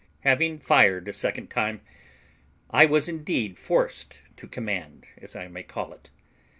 Having fired a second time, I was indeed forced to command, as I may call it.